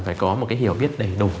phải có một cái hiểu biết đầy đủ